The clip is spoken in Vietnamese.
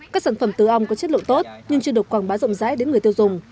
các sản phẩm tứ ong có chất lượng tốt nhưng chưa được quảng bá rộng rãi đến người tiêu dùng